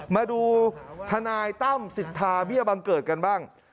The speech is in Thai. มาดูทนายตั้มสิทธาเบี้ยบังเกิดกันบ้าง